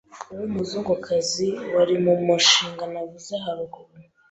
w’umuzungukazi waje muri wa mushinga navuze haruguru